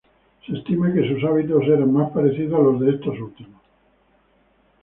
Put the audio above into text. Se estima que sus hábitos eran más parecidos a los de estos últimos.